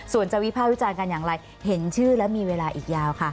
ส่วนจะวิภาควิจารณ์กันอย่างไรเห็นชื่อแล้วมีเวลาอีกยาวค่ะ